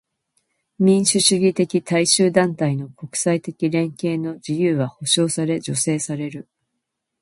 民主主義的大衆団体の国際的連携の自由は保障され助成される。